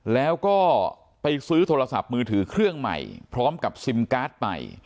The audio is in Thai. แล้วก็ไปซื้อโทรศัพท์มือถือเครื่องใหม่พร้อมกับซิมการ์ดใหม่